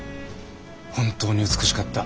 本当に美しかった。